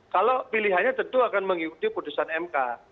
kalau pilihannya tentu akan mengikuti putusan mk